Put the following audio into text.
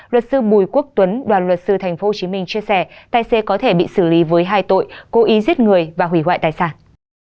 luật sư bùi quốc tuấn đoàn luật sư tp hcm chia sẻ tài xế có thể bị xử lý với hai tội cố ý giết người và hủy hoại tài sản